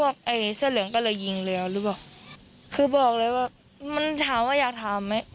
คือบอกเลยว่ามันถามว่าอยากถามไหม